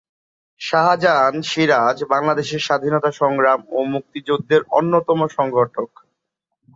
শাহজাহান সিরাজ বাংলাদেশের স্বাধীনতা সংগ্রাম ও মুক্তিযুদ্ধের অন্যতম সংগঠক।